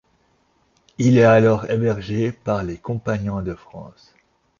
Il est alors hébergé par les Compagnons de France.